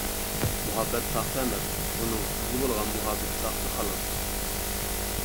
مۇھەببەت ساختا ئەمەس، ئۇنىڭ سىزگە بولغان مۇھەببىتى ساختا خالاس!